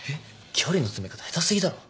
距離の詰め方下手すぎだろ。